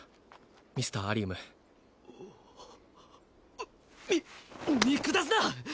ミスターアリウムみ見下すな！